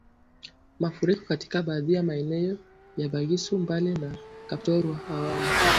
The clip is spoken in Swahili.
Mafuriko katika baadhi ya maeneo ya Bugisu Mbale na Kapchorwa awali